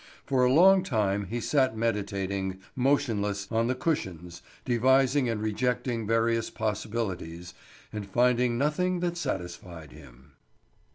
For a long time he sat meditating, motionless, on the cushions, devising and rejecting various possibilities, and finding nothing that satisfied him.